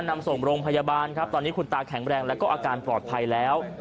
นำส่งโรงพยาบาลครับตอนนี้คุณตาแข็งแรงแล้วก็อาการปลอดภัยแล้ว